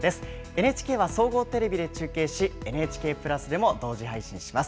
ＮＨＫは総合テレビで中継し、ＮＨＫプラスでも同時配信します。